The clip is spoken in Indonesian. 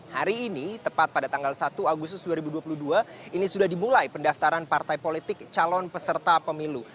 hari ini tepat pada tanggal satu agustus dua ribu dua puluh dua ini sudah dimulai pendaftaran partai politik calon peserta pemilu